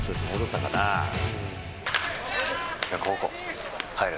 逆方向、入る。